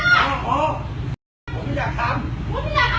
ช่วยด้วยค่ะส่วนสุด